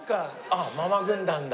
あっママ軍団だ。